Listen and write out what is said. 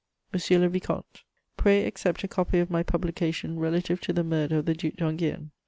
"MONSIEUR LE VICOMTE, "Pray accept a copy of my publication relative to the murder of the Duc d'Enghien.